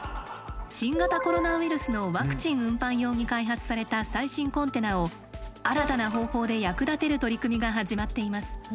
新型コロナウイルスのワクチン運搬用に開発された最新コンテナを新たな方法で役立てる取り組みが始まっています。